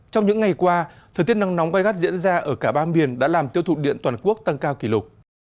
trong những ngày qua thời tiết nắng nóng gai gắt diễn ra ở cả ba miền đã làm tiêu thụ điện toàn quốc tăng cao kỷ lục